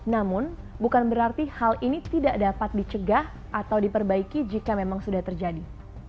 namun bukan berarti hal ini tidak dapat dicegah atau diperbaiki jika memang sudah terjadi